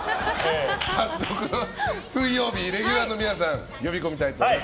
早速水曜日のレギュラーの皆さん呼び込みたいと思います。